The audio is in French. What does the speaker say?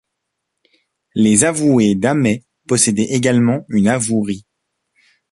Les avoués d'Amay possédaient également une avouerie.